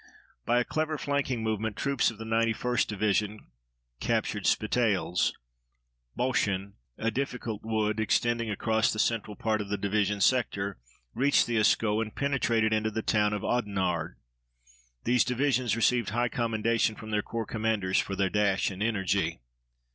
By a clever flanking movement troops of the 91st Division captured Spitaals Bosschen, a difficult wood extending across the central part of the division sector, reached the Escaut, and penetrated into the town of Audenarde. These divisions received high commendation from their corps commanders for their dash and energy.